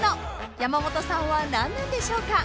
［山本さんは何なんでしょうか？］